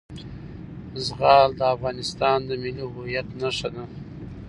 زغال د افغانستان د ملي هویت نښه ده.